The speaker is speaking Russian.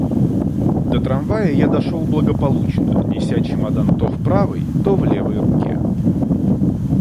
До трамвая я дошел благополучно, неся чемодан то в правой, то в левой руке.